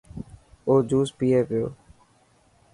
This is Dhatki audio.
او جوس پئي پيو.